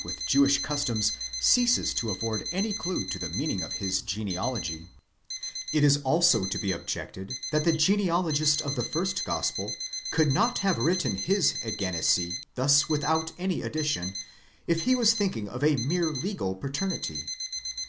§ 21, Jewish customs ceases to afford any clue to the meaning of this genealogy;— it is also to be objected, that the genealogist of the first Gospel could not have written his ἐγέννησε thus without any addition, if he was thinking of a mere legal paternity.